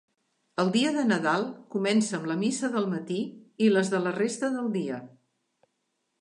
El dia de Nadal comença amb la missa del matí i les de la resta del dia.